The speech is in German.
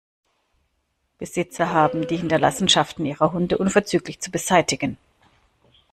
Besitzer haben die Hinterlassenschaften ihrer Hunde unverzüglich zu beseitigen.